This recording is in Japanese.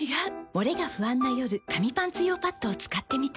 モレが不安な夜紙パンツ用パッドを使ってみた。